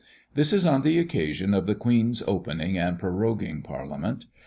This is on the occasion of the Queen's opening and proroguing parliament.